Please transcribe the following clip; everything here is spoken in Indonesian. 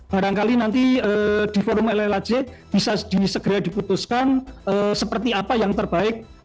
barangkali nanti di forum llhj bisa disegera diputuskan seperti apa yang terbaik